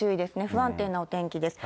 不安定なお天気です。